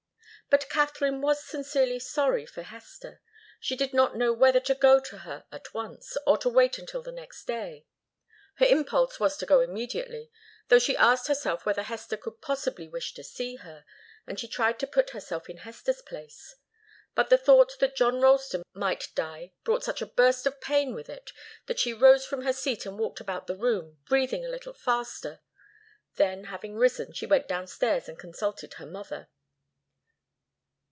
But Katharine was sincerely sorry for Hester. She did not know whether to go to her at once, or to wait until the next day. Her impulse was to go immediately, though she asked herself whether Hester could possibly wish to see her, and she tried to put herself in Hester's place. But the thought that John Ralston might die brought such a burst of pain with it that she rose from her seat and walked about the room, breathing a little faster. Then, having risen, she went downstairs and consulted her mother.